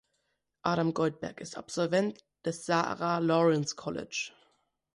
Adam Goldberg ist Absolvent des Sarah Lawrence College.